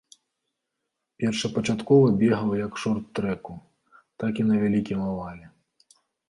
Першапачаткова бегаў як шорт-трэку, так і на вялікім авале.